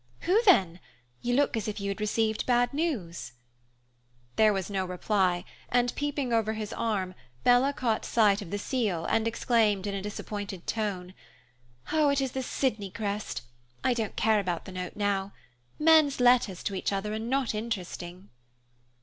"Who then? You look as if you had received bad news." There was no reply, and, peeping over his arm, Bella caught sight of the seal and exclaimed, in a disappointed tone, "It is the Sydney crest. I don't care about the note now. Men's letters to each other are not interesting."